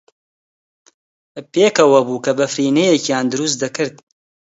پێکەوە بووکەبەفرینەیەکیان دروست کرد.